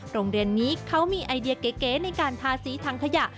โรงเรียนนี้เขามีไอเดียเก๋ในการทาสีถังขยะ